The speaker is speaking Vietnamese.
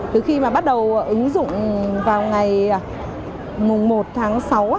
từ khi mà bắt đầu ứng dụng vào ngày một tháng sáu